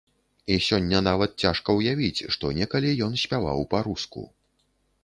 І сёння нават цяжка ўявіць, што некалі ён спяваў па-руску.